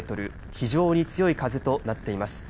非常に強い風となっています。